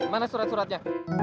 mana surat suratnya